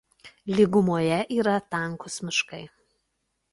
Lygumoje yra tankūs miškai.